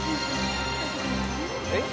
えっ？